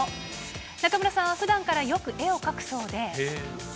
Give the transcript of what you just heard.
中村さんはふだんから、よく絵を描くそうで。